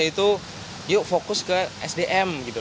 jadi itu yuk fokus ke sdm